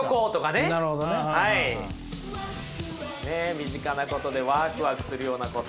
身近なことでワクワクするようなこと。